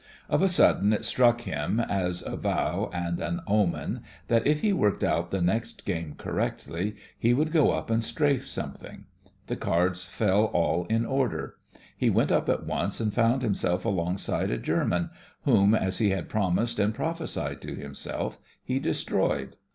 Of a sudden it struck him, as a vow and an omen, that if he worked out the next game correctly he would go up and strafe something. The cards fell all in order. He went up at once and found himself alongside a German, whom, as he had promised and proph esied to himself, he destroyed.